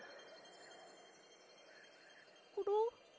コロ？